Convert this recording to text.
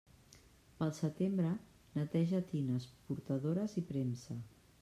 Pel setembre, neteja tines, portadores i premsa.